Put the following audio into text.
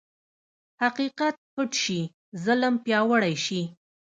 حقیقت پټ شي، ظلم پیاوړی شي.